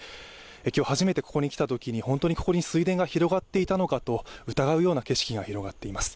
今日初めてここに来たときに本当にここに水田が広がっていたのかと疑うような景色が広がっています。